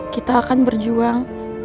kita akan berjuang